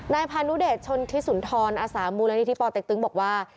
นายพานุเดชชนธิสุนทรอาสามูรณีที่ปเต๊กตึ๊งบอกว่า